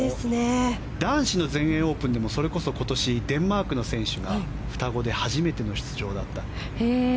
男子の全英オープンでもそれこそ今年デンマークの選手が双子で初めての出場だった。